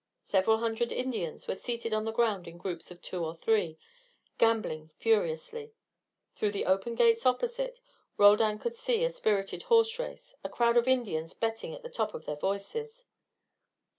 Several hundred Indians were seated on the ground in groups of two or three, gambling furiously. Through the open gates opposite, Roldan could see a spirited horse race, a crowd of Indians betting at the top of their voices.